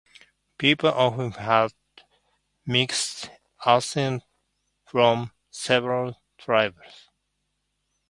People often had mixed ancestry from several tribes.